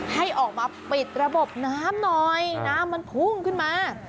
ให้ออกมาปิดระบบน้ำหน่อยน้ำมันพุ่งขึ้นมา